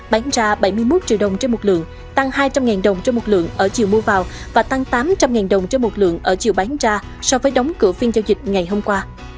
bán ra bảy mươi một triệu đồng trên một lượng tăng hai trăm linh đồng trên một lượng ở chiều mua vào và tăng tám trăm linh đồng trên một lượng ở chiều bán ra so với đóng cửa phiên giao dịch ngày hôm qua